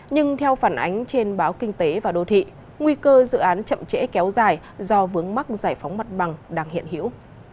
nhưng theo phản ánh trên báo kinh tế và đô thị nguy cơ dự án chậm trễ kéo dài do vướng mắc giải phóng mặt bằng đang hiện hiểu